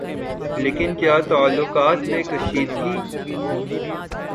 لیکن کیا تعلقات میں کشیدگی